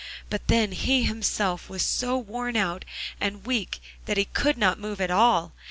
But then he himself was so worn out and weak that he could not move at all.